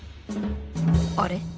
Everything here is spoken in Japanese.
あれ？